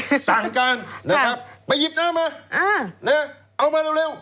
สั่งการนะครับไปหยิบหน้ามาเอามาเร็ว